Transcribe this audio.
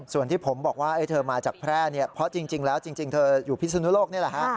ส่วนที่ผมบอกว่าเธอมาจากแพร่เพราะจริงเธออยู่พิศนุโลกนี่แหละ